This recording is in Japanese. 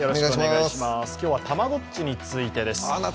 今日はたまごっちについてです。